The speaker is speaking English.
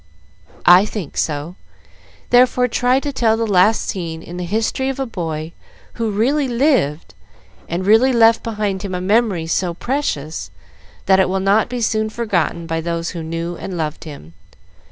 I think so, therefore try to tell the last scene in the history of a boy who really lived and really left behind him a memory so precious that it will not be soon forgotten by those who knew and loved him.